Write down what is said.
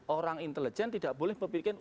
orang intelijen tidak boleh membuat